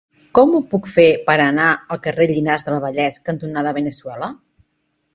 Com ho puc fer per anar al carrer Llinars del Vallès cantonada Veneçuela?